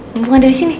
hubungan dari sini